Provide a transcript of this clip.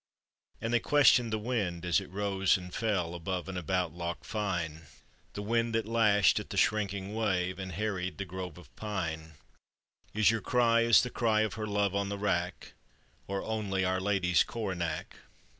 And they questioned the wind as it rose and fell Above and about Loch Fyne — The wind that lashed at the shrinking wave, And harried the grove of pine — Is your cry as the cry of her love on the rack, Or only our lady's coronach?